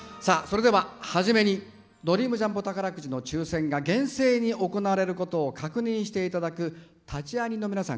初めにドリームジャンボ宝くじの抽せんが厳正に行われることを確認していただく立会人の皆さん